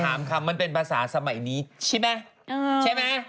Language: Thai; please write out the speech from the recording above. ขอถามคำมันเป็นภาษาสมัยนี้ใช่ไหม